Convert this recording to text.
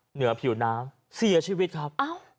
เหนือผิวน้ำเสียชีวิตครับ